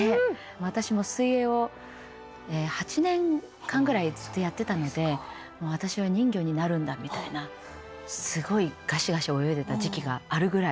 私も水泳を８年間ぐらいずっとやってたので私は人魚になるんだみたいなすごいガシガシ泳いでた時期があるぐらい。